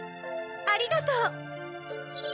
ありがとう！